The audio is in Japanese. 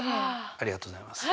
ありがとうございます。